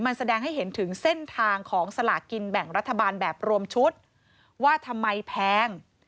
มันแสดงให้เห็นถึงเส้นทางของสลากินแบ่งรัฐบาลแบบรวมชุดว่าทำไมแพง